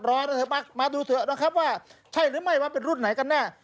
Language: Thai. เถอะมาดูเถอะนะครับว่าใช่หรือไม่ว่าเป็นรุ่นไหนกันแน่